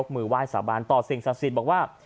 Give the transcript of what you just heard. มือไหว้สาบานต่อสิ่งศักดิ์สิทธิ์บอกว่า